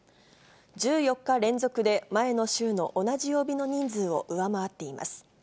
１４日連続で前の週の同じ曜日の人数を上回っています。